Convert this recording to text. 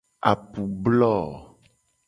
Apublo.